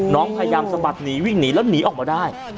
น้องพยายามสะบัดหนีวิ่งหนีแล้วหนีออกมาได้